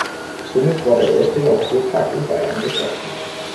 Somit war der erste Naturpark in Bayern geschaffen.